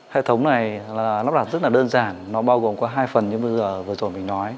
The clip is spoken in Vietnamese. hệ thống này nắp đặt rất là đơn giản nó bao gồm có hai phần như vừa rồi mình nói